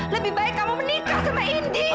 lebih baik kamu menikah sama indi